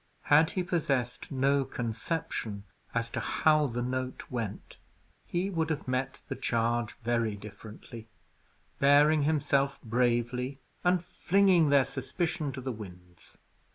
Had he possessed no conception as to how the note went, he would have met the charge very differently, bearing himself bravely, and flinging their suspicion to the winds.